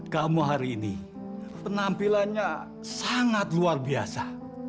kamu hari ini penampilannya sangat luar biasa